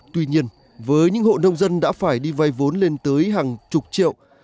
tuy nhiên với những hộ nông dân đã phải đi vay vốn lên tới hàng chục triệu